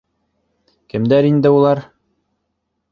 Кемдәр инде улар?